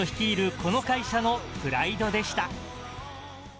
この会社のプライドでした。